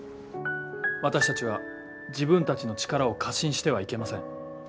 私たちは自分たちの力を過信してはいけません。